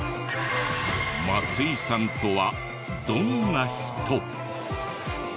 松井さんとはどんな人？